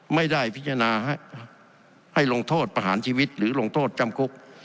ไม่ได้พิจารณาให้ลงโทษประหารชีวิตหรือลงโทษจำคุก